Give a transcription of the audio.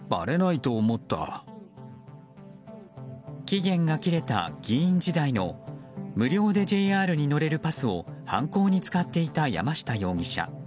期限が切れた議員時代の無料でＪＲに乗れるパスを犯行に使っていた山下容疑者。